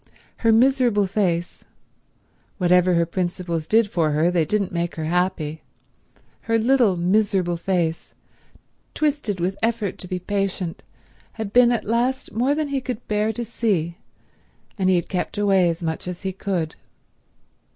Her miserable face—whatever her principles did for her they didn't make her happy—her little miserable face, twisted with effort to be patient, had been at last more than he could bear to see, and he had kept away as much as he could.